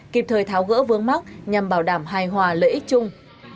kịp thời tháo gỡ vướng mắt nhằm bảo đảm hài hòa lợi ích chung